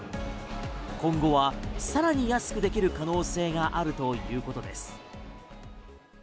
今後は更に安くできる可能性があるということです。